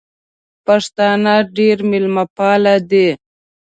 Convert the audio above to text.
پښتانه ډېر مېلمه پال دي.